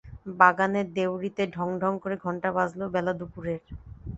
বাগানের দেউড়িতে ঢং ঢং করে ঘণ্টা বাজল বেলা দুপুরের।